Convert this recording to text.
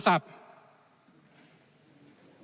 ตายแบบไม่ได้ลากัน